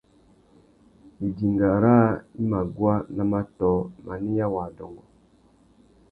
Idinga râā i mà guá nà matōh, manéya wa adôngô.